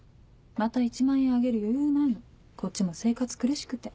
また１万円あげる余裕ないのこっちも生活苦しくて。